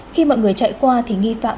khi mọi người chạy qua thì nghi phạm vứt xe